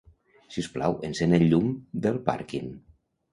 Sisplau, encén el llum del pàrquing.